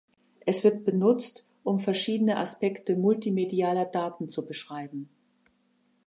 Es wird benutzt, um verschiedene Aspekte multimedialer Daten zu beschreiben.